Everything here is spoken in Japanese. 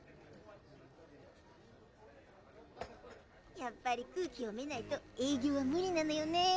やっぱり空気読めないと営業は無理なのよね。